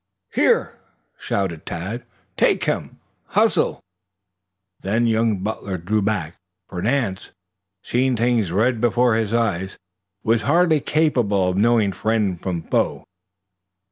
"Here!" shouted Tad. "Take him hustle!" Then young Butler drew back, for Nance, seeing things red before his eyes, was hardly capable of knowing friend from foe.